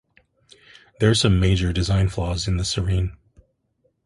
There are some major design flaws in the Serene.